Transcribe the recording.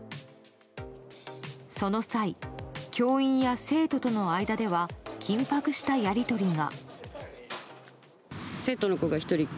その際、教員や生徒との間では緊迫したやり取りが。